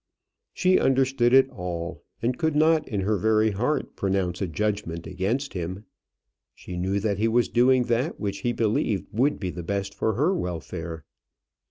She understood it all, and could not in her very heart pronounce a judgment against him. She knew that he was doing that which he believed would be the best for her welfare.